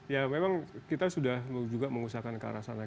ya memang kita sudah juga mengusahakan ke arah sana